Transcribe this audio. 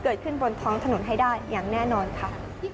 เกิดขึ้นบนท้องถนนให้ได้อย่างแน่นอนค่ะ